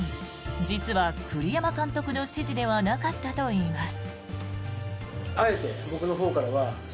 実は栗山監督の指示ではなかったといいます。